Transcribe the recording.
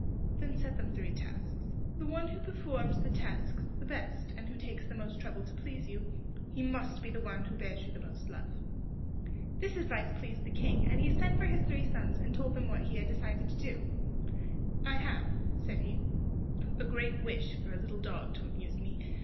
"Then set them three tasks. The one who performs the tasks the best, and who takes the most trouble to please you,—he must be the one who bears you the most love." This advice pleased the King, and he sent for his three sons, and told them what he had decided to do. "I have," said he, "a great wish for a little dog to amuse me.